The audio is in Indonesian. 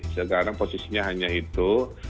sekarang posisinya hanya itu